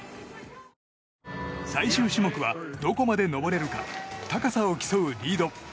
最終種目はどこまで登れるか高さを競うリード。